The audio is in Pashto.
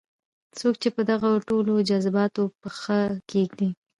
څوک چې په دغو ټولو جذباتو پښه کېږدي.